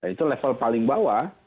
itu level paling bawah